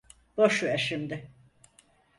Boş ver şimdi.